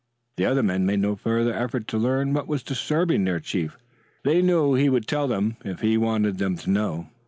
The other men made no further effort to learn what was disturbing their chief. They knew he would tell them if he wanted them to know.